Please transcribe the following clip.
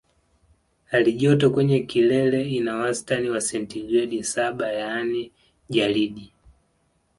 Halijoto kwenye kilele ina wastani ya sentigredi saba yaani jalidi